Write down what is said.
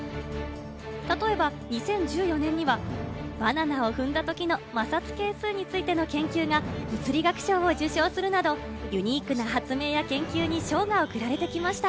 例えば２０１４年には、バナナを踏んだときの摩擦係数についての研究が物理学賞を受賞するなど、ユニークな発明や研究に賞が贈られてきました。